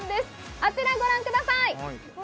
あちらご覧ください！